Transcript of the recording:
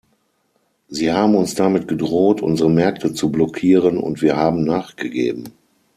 Sie haben uns damit gedroht, unsere Märkte zu blockieren, und wir haben nachgegeben.